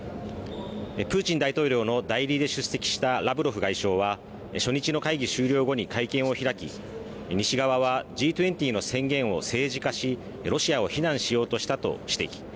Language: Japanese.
プーチン大統領の代理で出席したラブロフ外相は初日の会議終了後に会見を開き西側はＧ２０の宣言を政治化しロシアを非難しようとしたと指摘。